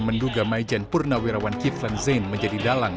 menduga maijen purnawirawan kiflan zain menjadi dalang